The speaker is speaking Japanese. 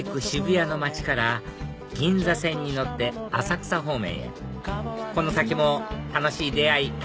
渋谷の街から銀座線に乗って浅草方面へこの先も楽しい出会い